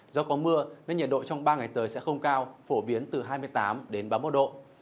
do có mưa nên nhiệt độ trong ba ngày tới sẽ không cao phổ biến từ hai mươi tám đến ba mươi một độ